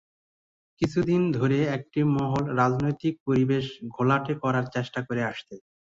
কিছুদিন ধরে একটি মহল রাজনৈতিক পরিবেশ ঘোলাটে করার চেষ্টা করে আসছে।